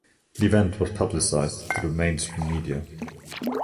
The event was publicized through mainstream media.